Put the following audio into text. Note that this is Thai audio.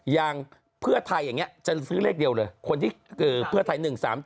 อย่างเพื่อไทยอย่างนี้จะซื้อเลขเดียวเลยคนที่เพื่อไทย๑๓๗